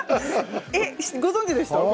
ご存じでしたか？